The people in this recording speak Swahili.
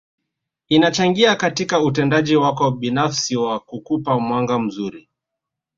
Inachangia katika utendaji wako binafsi wa kukupa mwanga mzuri